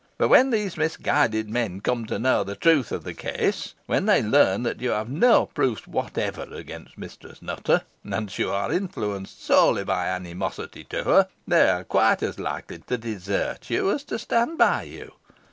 But when these misguided men come to know the truth of the case when they learn that you have no proofs whatever against Mistress Nutter, and that you are influenced solely by animosity to her, they are quite as likely to desert you as to stand by you.